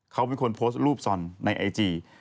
เขาเป็นคนโพสต์รูปซอนในไอจี